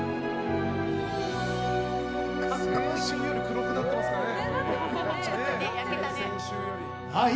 先週より黒くなってますかね。